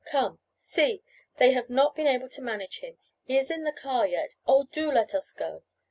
Come: See, they have not been able to manage him. He is in the car yet. Oh, do let us go!"